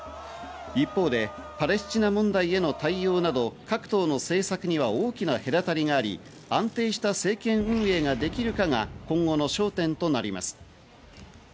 一方で、パレスチナ問題への対応など各党の政策には大きな隔たりがあり、安定した政権運営ができるかが今後の焦点となります。